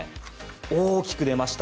大きく出ました。